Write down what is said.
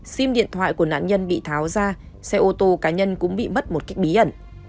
sim điện thoại của nạn nhân bị tháo ra xe ô tô cá nhân cũng bị mất một cách bí ẩn